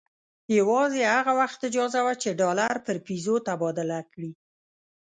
یوازې هغه وخت اجازه وه چې ډالر پر پیزو تبادله کړي.